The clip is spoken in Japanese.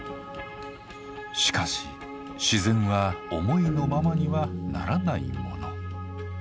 しかし自然は思いのままにはならないもの。